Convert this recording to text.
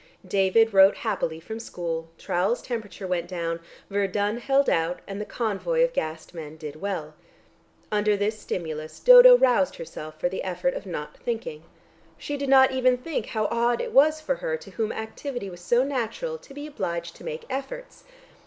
David wrote happily from school, Trowle's temperature went down, Verdun held out, and the convoy of gassed men did well. Under this stimulus, Dodo roused herself for the effort of not thinking. She did not even think how odd it was for her, to whom activity was so natural, to be obliged to make efforts.